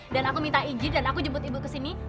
dan aku minta ijin dan aku jemput ibu kesini